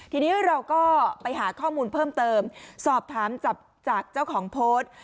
ทีนี้เราก็ไปหาข้อมูลเพิ่มเติมสอบถามจับจากเจ้าของโพสต์